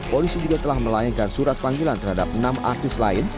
polisi juga telah melayangkan surat panggilan terhadap enam artis lain